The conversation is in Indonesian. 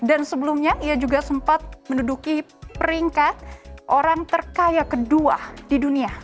dan sebelumnya ia juga sempat menduduki peringkat orang terkaya kedua di dunia